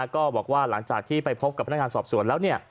ก็บอกว่าหลังจากที่ไปพบกับพนักงานสอบสวนแล้ว